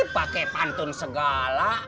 pakai pantun segala